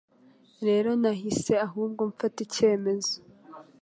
Rero nahise ahubwo mfata icyemezo